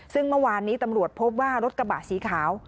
ซึ่งเมื่อวานนี้ตำรวจพบว่ารถกระบะสีขาว